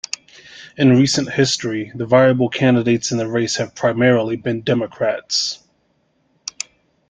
In recent history, the viable candidates in the race have primarily been Democrats.